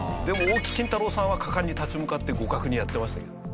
でも大木金太郎さんは果敢に立ち向かって互角にやってましたけど。